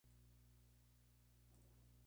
Sin embargo, la decodificación es bastante rápida.